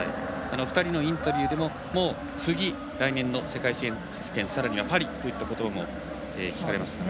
２人のインタビューでももう次、来年の世界選手権さらにはパリということばも聞かれましたね。